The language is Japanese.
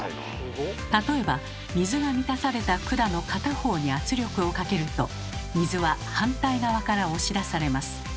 例えば水が満たされた管の片方に圧力をかけると水は反対側から押し出されます。